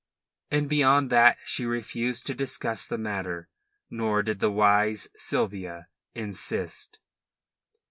And beyond that she refused to discuss the matter, nor did the wise Sylvia insist.